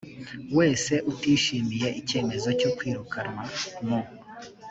wese utishimiye icyemezo cyo kwirukanwa mu